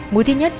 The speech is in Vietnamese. mũi thứ nhất